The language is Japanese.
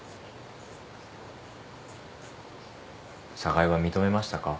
寒河江は認めましたか？